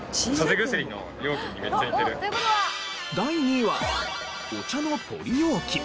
第２位はお茶のポリ容器。